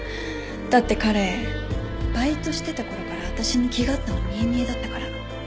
だって彼バイトしてた頃から私に気があったの見え見えだったから。